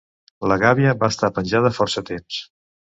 La gàbia va estar penjada força temps.